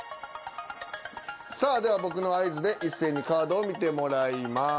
さあでは僕の合図で一斉にカードを見てもらいます。